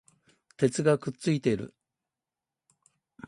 鉄がくっついている